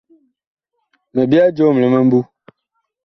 Mi byɛɛ joom li mimbu.